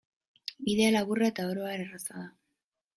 Bidea laburra eta oro har erraza da.